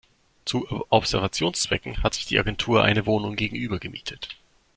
Zu Observationszwecken hat sich die Agentur eine Wohnung gegenüber gemietet.